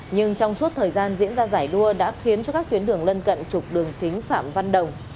nhưng trong suốt thời gian diễn ra giải đua đã khiến cho các tuyến đường lân cận trục đường chính phạm văn đồng